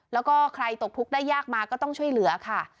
แล้วก็ใครตกทุกข์ได้ยากมาก็ต้องช่วยเหลือค่ะ